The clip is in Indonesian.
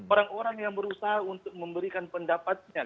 orang orang yang berusaha untuk memberikan pendapatnya